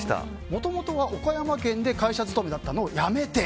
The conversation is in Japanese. もともとは岡山県で会社勤めだったのを辞めて。